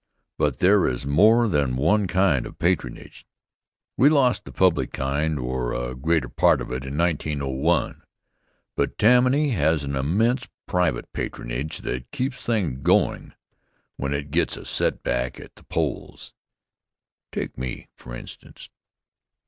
But there is more than one kind of patronage. We lost the public kind, or a greater part of it, in 1901, but Tammany has an immense private patronage that keeps things going' when it gets a setback at the polls. Take me, for instance.